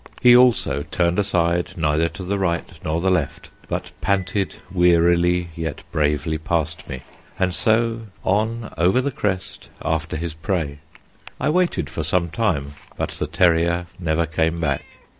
He also turned aside neither to the right nor the left, but panted wearily yet bravely past me, and so on, over the crest, after his prey. I waited for some time but the terrier never came back.